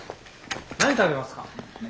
何食べますか？